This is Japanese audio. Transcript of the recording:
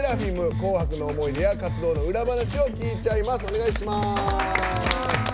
「紅白」の思い出や活動の裏話を聞いちゃいます。